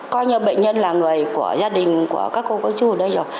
coi như bệnh nhân là người của gia đình của các cô có chú ở đây rồi